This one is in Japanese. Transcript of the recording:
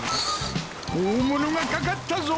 大物が掛かったぞ。